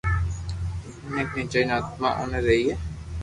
مينک ني جائي آتما اوبي رھئي